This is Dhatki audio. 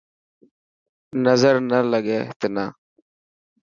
نظر نا لڳي تنا.